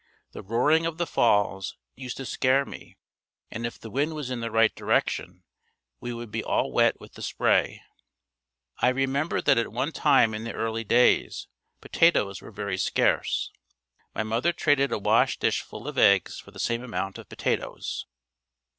The roaring of the Falls used to scare me and if the wind was in the right direction we would be all wet with the spray. I remember that at one time in the early days, potatoes were very scarce. My mother traded a wash dish full of eggs for the same amount of potatoes.